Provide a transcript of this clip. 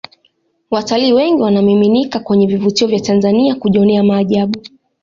watalii wengi wanamiminika kwenye vivutio vya tanzania kujionea maajabu